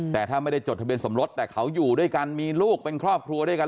แต่ถ้าไม่ได้จดทะเบียนสมรสแต่เขาอยู่ด้วยกันมีลูกเป็นครอบครัวด้วยกัน